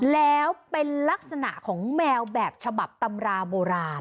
แล้วเป็นลักษณะของแมวแบบฉบับตำราโบราณ